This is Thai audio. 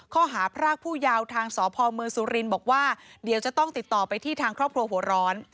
ข้อหาพรากผู้ยาวทางสพเมืองสุรินทร์บอกว่าเดี๋ยวจะต้องติดต่อไปที่ทางครอบครัวหัวร้อน